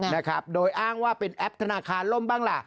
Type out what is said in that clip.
นะครับโดยอ้างว่าเป็นแอปธนาคารล่มบ้างล่ะ